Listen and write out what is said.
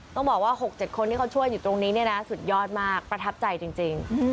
ต้องบอกว่า๖๗คนที่เขาช่วยอยู่ตรงนี้เนี่ยนะสุดยอดมากประทับใจจริง